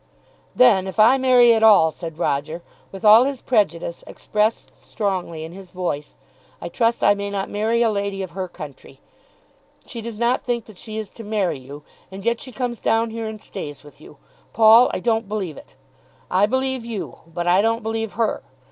"Then if I marry at all," said Roger, with all his prejudice expressed strongly in his voice, "I trust I may not marry a lady of her country. She does not think that she is to marry you, and yet she comes down here and stays with you. Paul, I don't believe it. I believe you, but I don't believe her.